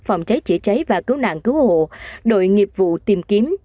phòng cháy chữa cháy và cứu nạn cứu hộ đội nghiệp vụ tìm kiếm